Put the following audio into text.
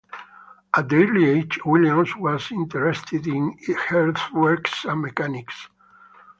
At an early age, William was interested in earthworks and mechanics.